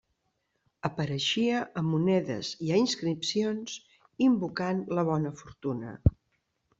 Apareixia a monedes i a inscripcions invocant la bona fortuna.